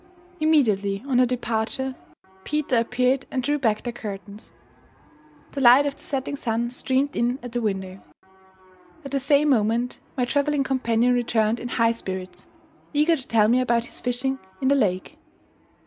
Immediately on her departure, Peter appeared and drew back the curtains. The light of the setting sun streamed in at the window. At the same moment my traveling companion returned in high spirits, eager to tell me about his fishing in the lake.